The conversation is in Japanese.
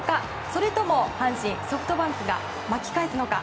それとも、阪神、ソフトバンクが巻き返すのか。